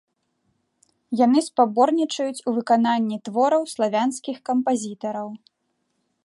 Яны спаборнічаюць у выкананні твораў славянскіх кампазітараў.